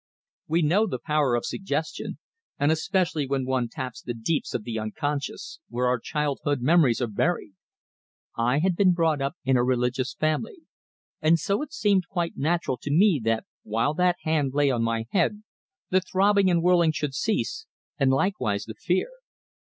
We know the power of suggestion, and especially when one taps the deeps of the unconscious, where our childhood memories are buried. I had been brought up in a religious family, and so it seemed quite natural to me that while that hand lay on my head, the throbbing and whirling should cease, and likewise the fear.